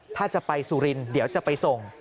ถ้าจะไปสุรินทร์เดี๋ยวจะไปส่ง